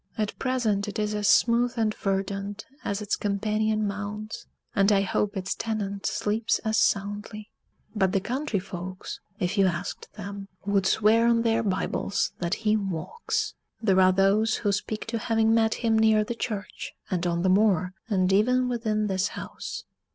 At present it is as smooth and verdant as its companion mounds and I hope its tenant sleeps as soundly. But the country folks, if you asked them, would swear on their Bibles that he walks. There are those who speak to having met him near the church, and on the moor, and even within this house.